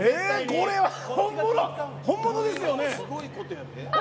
本物ですよね。